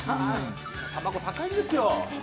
卵、高いんですよ。